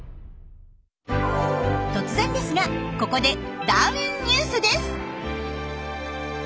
突然ですがここで「ダーウィンＮＥＷＳ」です。